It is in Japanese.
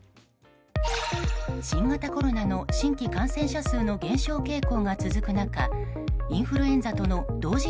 新型コロナの新規感染者数の減少傾向が続く中インフルエンザとの同時